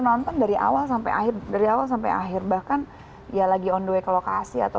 nonton dari awal sampai akhir dari awal sampai akhir bahkan ya lagi on the way ke lokasi atau